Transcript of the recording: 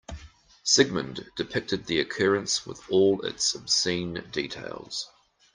Sigmund depicted the occurrence with all its obscene details.